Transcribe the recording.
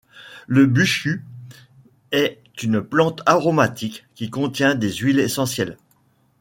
Le buchu est une plante aromatique qui contient des huiles essentielles.